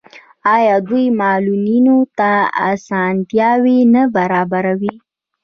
آیا دوی معلولینو ته اسانتیاوې نه برابروي؟